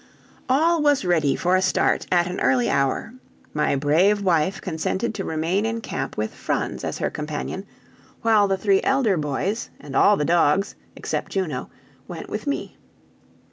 All was ready for a start at an early hour; my brave wife consented to remain in camp with Franz as her companion, while the three elder boys, and all the dogs, except Juno, went with me.